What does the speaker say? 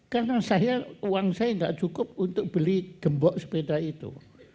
karena saya uang saya gak cukup untuk beli gembok sepeda itu